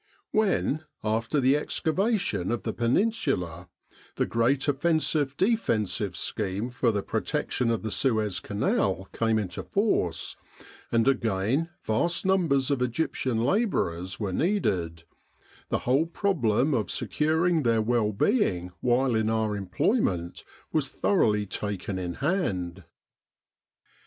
When, after the evacuation of the Peninsula, the great offensive defensive scheme for the protection of the Suez Canal came into force, and again vast numbers of Egyptian labourers were needed, the whole problem of securing their well being while in our employment was thoroughly taken in hand.